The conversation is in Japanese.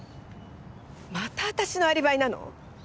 また私のアリバイなの？